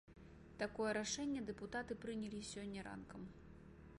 Такое рашэнне дэпутаты прынялі сёння ранкам.